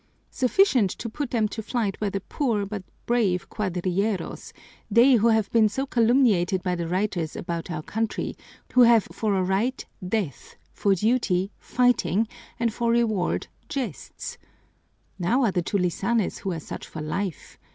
Sufficient to put them to flight were the poor, but brave cuadrilleros, they who have been so calumniated by the writers about our country, who have for a right, death, for duty, fighting, and for reward, jests. Now there are tulisanes who are such for life.